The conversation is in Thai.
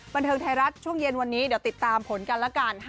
บันเทิงไทยรัฐช่วงเย็นวันนี้เดี๋ยวติดตามผลกันละกัน